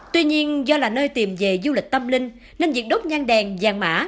tuy nhiên do là nơi tìm về du lịch tâm linh nên việc đốt nhang đèn vàng mã